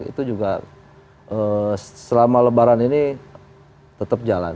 itu juga selama lebaran ini tetap jalan